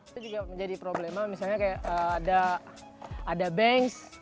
itu juga menjadi problema misalnya kayak ada banks